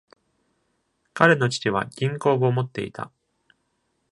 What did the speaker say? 彼の父は銀行を持っていた。